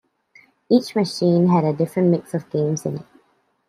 Each machine had a different mix of games in it.